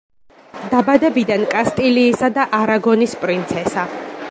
დაბადებიდან კასტილიისა და არაგონის პრინცესა.